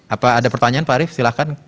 apa ada pertanyaan pak arief silahkan